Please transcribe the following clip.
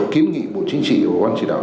kiếm nghị bộ chính trị và quán chỉ đạo